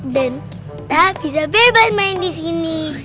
dan kita bisa beban main di sini